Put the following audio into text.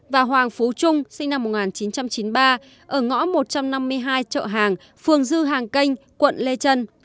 và hoàng phú trung sinh năm một nghìn chín trăm chín mươi ba ở ngõ một trăm năm mươi hai chợ hàng phường dư hàng kênh quận lê trân